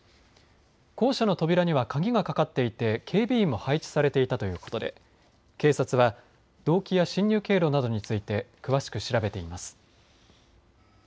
校舎の扉には鍵がかかっていて警備員も配置されていたということで警察は動機や侵入経路などについて詳しく調べています。